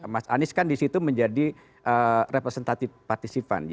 mas anies kan di situ menjadi representatif partisipan